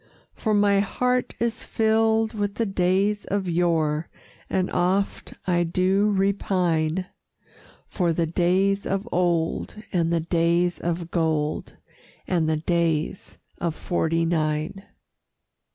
For my heart is filled with the days of yore, And oft I do repine For the Days of Old, and the Days of Gold, And the Days of 'Forty nine.